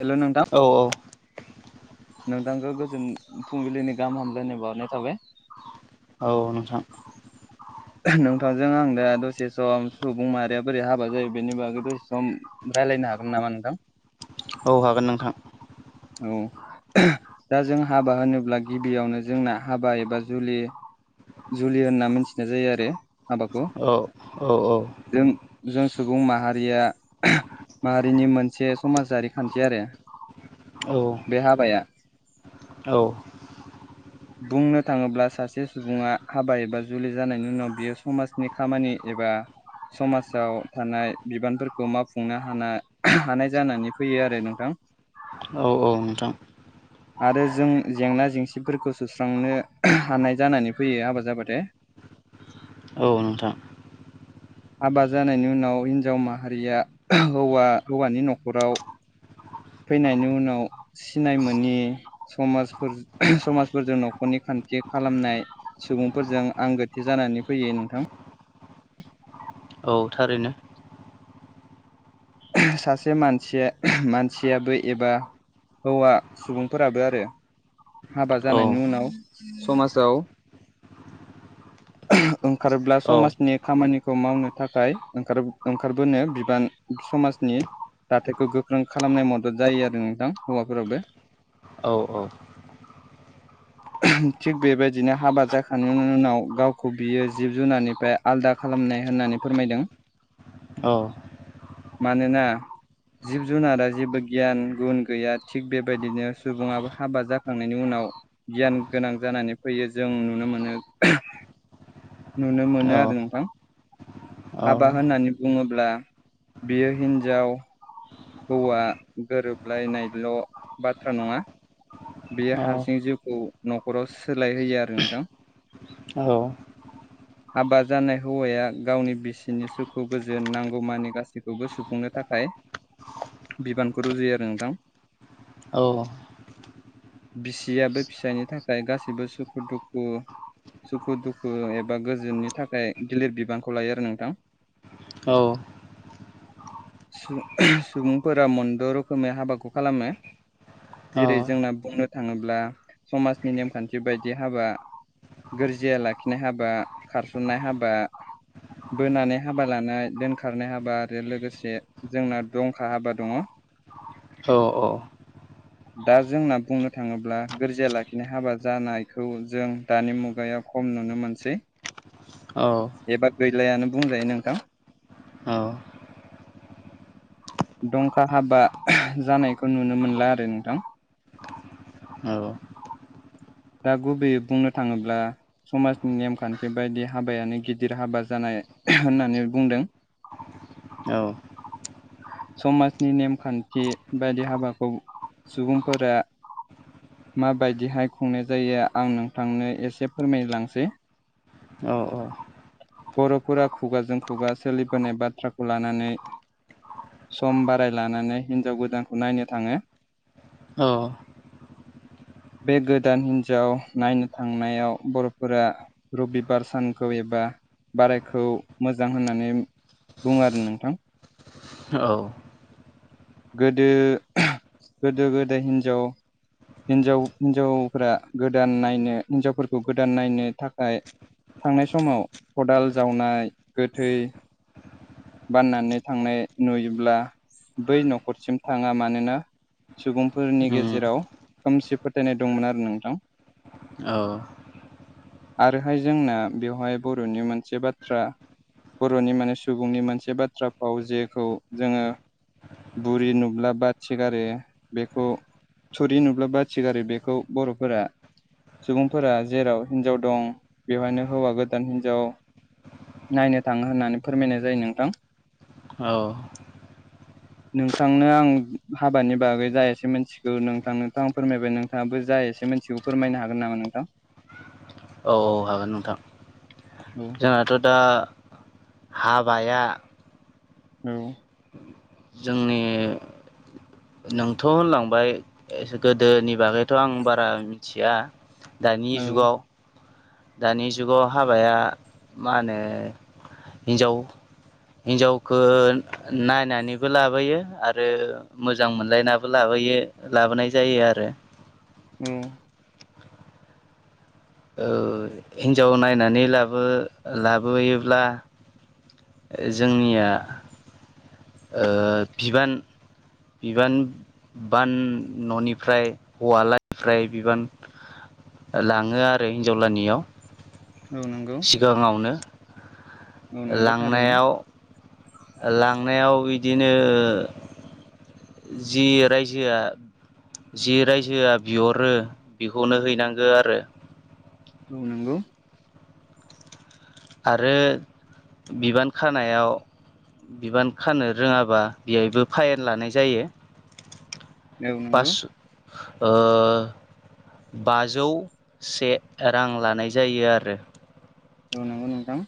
Hello नोंथां औ नोंथांखौ गोजोन फुंबिलिनि गाहाम हामलायनाय बावहरनाय थाबाय औ नोंथां नोंथांजों आं दा दसे सम सुबुं माहारिया बोरै हाबा जायो बेनि बागै दसे सम रायज्लायनो हागोन नामा नोंथां औ हागोन नोंथां औ दा जों हाबा होनोब्ला गिबियावनो जोंना हाबा एबा जुलि जुलि होनना मिथिनाय जायो आरो हाबाखौ औ औ औ जों जों सुबुं माहारिया माहारिनि मोनसे समाजारि खान्थि आरो औ बे हाबाया औ [inaudible] बुंनो थाङोब्ला सासे सुबुङा हाबा एबा जुलि जानायनि उनाव बियो समाजनि खामानि एबा समाजाव थानाय बिबानफोरखौ मावफुंनो हाना- हानाय जानानै फैयो आरो नोंथां औ औ नोंथां आरो जों जेंना जेंसिफोरखौ सुस्रांनो हानाय जानानै फैयो हाबा जाबाथाय [unintelligible] औ नोंथां हाबा जानायनि उनाव हिन्जाव माहारिया हौवा हौवानि न'खराव फैनायनि उनाव सिनाय मोनि समाजफोर समाजफोरजों न'खरनि खान्थि खालामनाय सुबुंफोरजों आंगोथि जानानै फैयो नोंथां औ थारैनो सासे मानसिया मानसियाबो एबा हौवा सुबुंफोराबो आरो हाबा औ जानायनि उनाव समाजाव ओंखारोब्ला औ समाजनि खामानि खौ मावनो थाखाय ओंखार-ओंखारबोनो बिबान समाजनि दाथायखौ गोख्रों खालामनाय मदद जायो आरो नोंथां हौवाफोराबो औ औ [inaudible] थिग बेबायदिनो हाबा जाखांनाय उनाव गावखौ बियो जिब जुनारनिफ्राय आलदा खालामनाय होननानै फोरमायदों । औ मानोना जिब जुनारा जेबो गियान गुन गैया थिग बेबायदिनो सुबुङाबो हाबा जाखांनायनि उनाव गियान गोनां जानानै फैयो जों नुनो मोनो अह नुनो मोनो आरो नोंथां । हाबा होननानै बुङोब्ला बियो हिन्जाव हौवा गोरोबलायनायल' बाथ्रा नङा बेयो हारसिं जिउखौ न'खराव सोलाय होयो आरो नोंथां । हाबा जानाय हौवाया गावनि बिसिनि सुखु गोजोन नांगौमानि गासैखौबो सुफुंनो था खाय बिबानखौ रुजुयो आरो नोंथां । औ औ उम बिसियाबो फिसायनि थाखाय गासैबो सुखु दुखु सुखु दुखु ए बा गोजोननि थाखाय गिलिर बिबानखौ लायो आरो नोंथां । औ सु अह सुबुंफोरा मोनद' रोखोमै हाबाखौ खालामो औ जेरै जोंना बुंनो थाङोब्ला समाजनि नेमखान्थि बायदि हाबा, गोरजिया लाखिनाय हाबा, खारसननाय हाबा बोनानै हाबा लानाय, दोनखारनाय हाबा आरो लोगोसे जोंना दंखा हाबा दङ । [inaudible] औ औ दा जोंना बुंनो थाङोब्ला गोरजिया लाखिनाय हाबा जानायखौ जों दानि मुगायाव खम नुनो मोनसै एबा गैलायानो बुंजायो नोंथां । दंखा हाबा जानायखौ नुनो मोनला आरो नोंथां । दा गुबैयै बुंनो थाङोब्ला समाजनि नेमखान्थि बायदि हाबायानो गिदिर हाबा जानाय होननानै बुंदों । औ समाजनि नेमखान्थि बायदि हाबाखौ सुबुंफोरा माबायदिहाय खुंनाय जायो आं नोंथांनो एसे फोरमायलांसै । बर'फोरा खुगाजों खुगा सोलिबोनाय बाथ्राखौ लानानै सम बाराय लानानै हिनजाव गोदानखौ नायनो थाङो । औ बे गोदान हिनजाव नायनो थांनायाव बर'फोरा रबिबार सानखौ एबा बारायखौ मोजां होननानै बुङो आरो नोंथां । गोदो अह गोदो गोदाय हिनजाव हिन्जाव हिनजावफ्रा गोदान नायनो हिनजावफोरखौ गोदान नायनो थाखाय थांनाय समाव खदाल जावनाय गोथै बाननानै थांनाय नुयोब्ला बै न'खरसिम थाङा मानोना सुबुंफोरनि गेजेराव खोमसि फोथायनाय दंमोन आरो नोंथां । औ [inaudible] आरोहाय जोंना बेवहाय बर'नि मोनसे बाथ्रा बर'नि माने सु बुंनि मोनसे बाथ्रा फाव जेखौ जोङो बुरि नुब्ला बाथिगारो बेखौ थुरि नुब्लाबा थिगारो बेखौ बर'फोरा सुबुंफोरा जेराव हिनजाव दं बेवहायनो हौवा गोदान हिनजाव नायनो थाङो होननानै फोरमायनाय जायो नोंथां औ । नोंथांनो आं हाबानि बागै जाय एसे मिथिगौ नोंथां नोंथां फोरमायबाय नोंथाङाबो जा एसे मोनथिखौ फोरमायनो हागोन नामा नोंथां? औ औ हागोन नोंथां औ जोंहाथ' दा हाबाया औ जोंनि नोंथ' होनलांबाय [unintelligible] गोदोनि बागैथ' आं बारा मिथिया दानि औ जुगाव दानि जुगाव हाबाया मा होनो हिन्जाव हिनजावखो नायनानैबो लाबोयो आरो मोजां मोनलायनाबो लाबोयो। लाबोनाय जायो आरो। औ हिनजाव नायनानै लाबो लाबोयोब्ला जोंनिया ओ बिबान बिबान बान न'निफ्राय हौवालानिफ्राय बिबान लाङो आरो हिन्जावलानियाव औ नंगौ सिगाङावनो औ नंगौ थारैनो लांनायाव लां लांनायाव बिदिनो ओ जि रायजोआ जि रायजोआ बिहरो बेखौनो हैनांगो आरो औ नोंगौ आरो बिबान खानायाव बिबान खानो रोङाबा बेहायबो फाइेन लानाय जायो। औ नंगौ पास ओ बाजौ से रां लानाय जायो आरो औ नंगौ नोंथां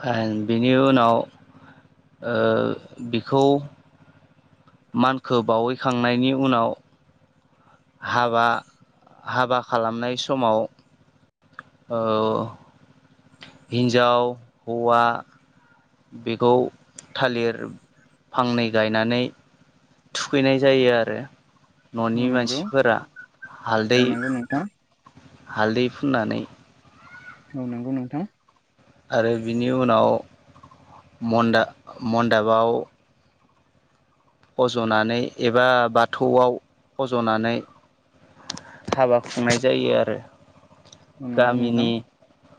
[unintelligible] बिनि उनाव ओ बिखौ मानखौ बावहैखांनायनि उनाव हाबा हाबा खालामनाय समाव ओ हिन्जाव हौवा बेखौ थालिर फांनै गायनानै थुखैनाय जायो आरो न'नि औ नंगौ मानसिफोरा हालदै औ नंगौ नोंथां हालदै फुननानै औ नंगौ नोंथां आरो बिनि उनाव मनदा मदाबाव फज'नानै एबा बाथौआव फज'नानै हाबा खुंनाय जायो आरो। नंगौ नंथां गामिनि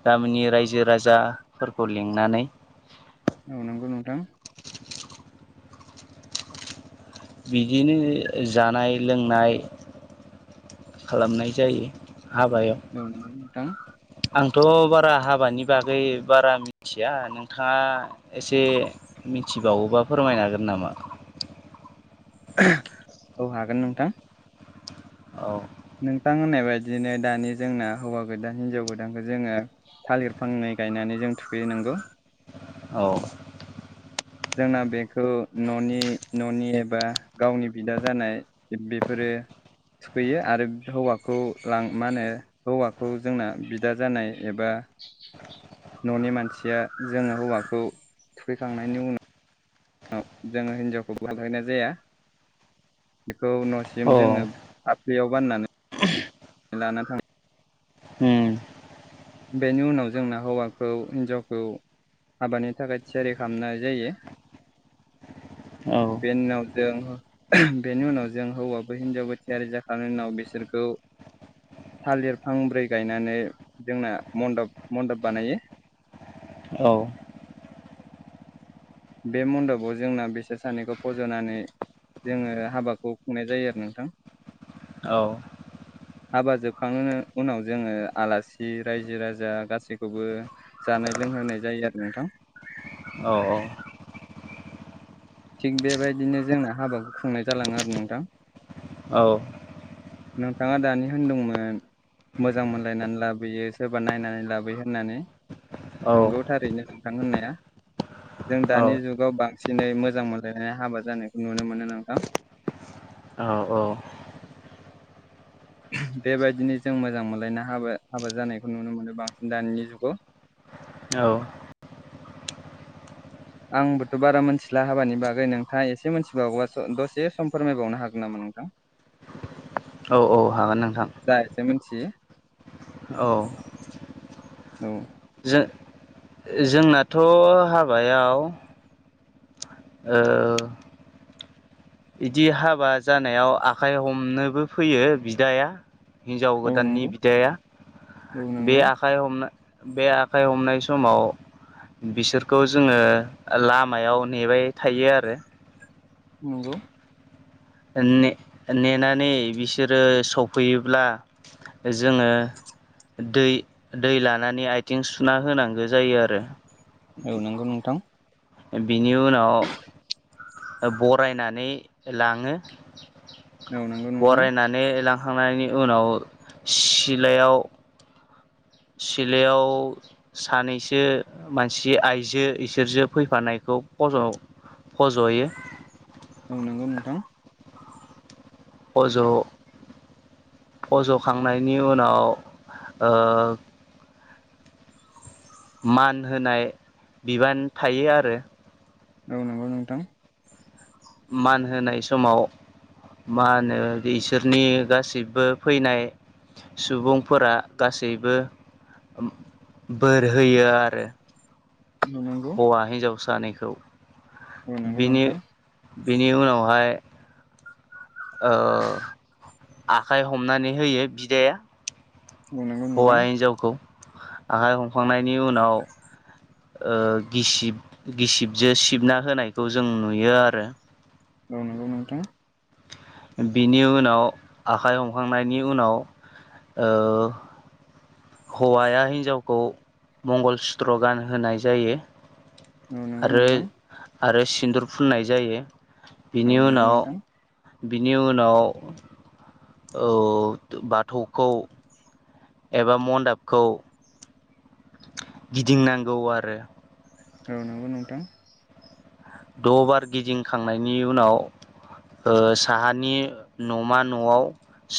गामिनि रायजो राजाफोरखौ लिंनानै औ नंगौ नोंथां बिदिनो जानाय लोंनाय खालामनाय जायो हाबायाव थां आंथ' बारा हाबानि बागै बारा मिथिया नोंथाङा एसे मिथिबावोबा फोरमायनो हागोन नामा? ओह औ हागोन नोंथां औ नोंथां होननाय बायदिनो दानि जोंना हौवा गोदान हिन्जाव गोदानखौ जोङो थालिर फांनै गायनानै जों थुखैहैनांगौ औ जोंना बेखौ न'नि न'नि एबा गावनि बिदा जानाय बेफोरो [unintelligible] थुखैयो आरो हौवाखौ लां मा होनो हौवाखौ जोंना बिदा जानाय एबा न'नि मानसिया जोङो हौवाखौ थुखैखांनायनि उनाव औ जोङो हिनजावखौ बहायनाय जाया खौ न'सिम जोङो औ फाफ्लियाव बाननानै लाना थां उम बेनि उनाव जोंना हौवाखौ हिन्जावखौ हाबानि थाखाय थियारि खामनाय जायो औ बेनि उनाव जों बेनि उनाव जों हौवाबो हिन्जावबो थियारि जाखांनायनि उनाव बिसोरखौ थालिर फांब्रै गायनानै जोंना मन्दप मन्दप बानायो औ बे म्न्दपाव जोंना बिसोर सानैखौ फज'नानै जोङो हाबाखौ खुंनाय जायो आरो नोंथां औ हाबा जोबखांनायनि उनाव जोङो आलासि रायजो राजा गासैखौबो जानाय नाय लोंहोनाय जायो आरो नोंथां औ थिग बेबायदिनो जोंना हाबाखौ खुंनाय जालाङो आरो नोंथां। नोंथाङा दानि होनदोंमोन। मोजां मोनलायनानै लाबोयो सोरबा नायनानै लाबोयो होननानै। नोंगौ थारैनो नोंथां होननाया जों दानि जुगाव बांसिनै मोजां मोजां मोनलायनाय हाबा जानायखौ नुनो मोनो नोंथां। औ बेबायदिनो जों मोजां मोनलायना हाबा हाबा जानायखौ नुनो मोनो बांसिन दानि जुगाव औ। आंबोथ' बारा मिथिला हाबानि बागै नोंथाङा एसे मिथिबावोबा दसे सम फोरमायबावनो हागोन नामा? नोंथां। औ औ हागोन नोंथां। जा एसे औ औ जों जोंनाथ' हाबायाव ओ इदि हाबा जानायाव आखाइ हमनोबो फैयो बिदाया हिनजाव औ गोदाननि नंगौ बिदाया औ बे नंगौ आखाइ हमना बे आखाइ हमनाय समाव बिसोरखौ जोङो लामायाव नेबाय थायो आरो नंगौ ने नेनानै बिसोरो सफैयोब्ला जोङो दै दै लानानै आयथिं सुना होनांगो जायो आरो औ नंगौ नोंथां बिनि उनाव बरायनानै लाङो औ नंगौ नोंथां बरायनानै लांखांनायनि उनाव सिलायाव सिलायाव सानैसो मानसि आइजो इसोरजो फैफानायखौ फज' फज'हैयो औ नंगौ नोंथां फज' फज'खांनायनि उनाव ओ मान होनाय बिबान थायो आरो। औ नंगौ नोंथां। मान होनाय समाव मा होनो इसोरनि गासिबो फैनाय सुबुंफोरा गासैबो बोर होयो आरो औ नंगौ हौवा हिन्जाव सानैखौ औ नंगौ बिनि नोंथां बिनि उनावहाय ओ आखाइ हमनानै होयो बिदाया औ नंगौ हौवा नोंथां हिन्जावखौ आखाइ हमखांनायनि उनाव ओ गिसिब गिसिबजो सिबना होनायखौ जों नुयो आरो औ नंगौ नोंथां बिनि उनाव आखाइ हमखांनायनि उनाव ओ हौवाया हिन्जावखौ मंगल सुत्र गान होनाय जायो। औ नंगौ आरो नोंथां। आरो सिन्दुर फुननाय जायो। औ बिनि नंगौ उनाव नोंथां। बिनि उनाव औ बाथौखौ एबा मन्दाबखौ गिदिंनांगौ आरो औ नंगौ नोंथां। द' बार गिदिंखांनायनि उनाव ओ साहानि न'मा न'आव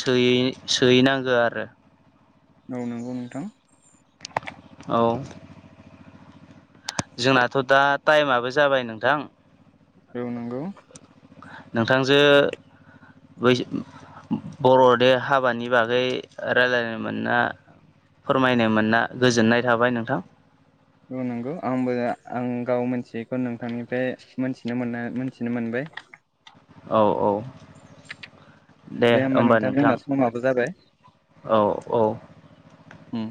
सोयै सोयैनांगौ आरो। औ नंगौ नोंथां। औ जोंनाथ' दा टाइमाबो जाबाय नोंथां औ‌ नंगौ नोंथांजों बै बर'नि हाबानि बागै राय्लायनो मोनना फोरमायनो मोनना गोजोननाय थाबाय नोंथां। औ नंगौ आंबो आं गाव मोनथियैखौ नोंथांनिफ्राय मोनथिनो मोन मोनथिनो मोनबाय। [inaudible] औ औ दे होमबा नोंथां जोंना समाबो जाबाय। औ औ उम